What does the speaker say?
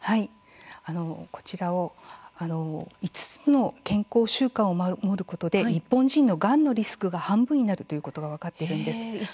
こちら、５つの健康習慣を守ることで日本人のがんのリスクが半分になるということが分かっているんです。